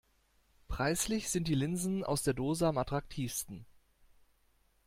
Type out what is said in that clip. Preislich sind die Linsen aus der Dose am attraktivsten.